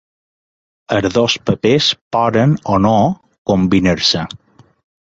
Els dos papers poden o no combinar-se.